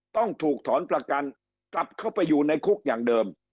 ต้องถูกถอนประกันกลับเข้าไปอยู่ในคุกอย่างเดิม